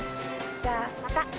じゃあまた。